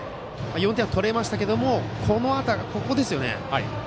４点は取れましたけどここですよね。